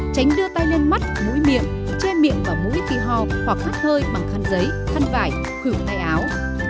ba tránh đưa tay lên mắt mũi miệng che miệng và mũi tì hò hoặc hát hơi bằng khăn giấy thân vải khửu tay áo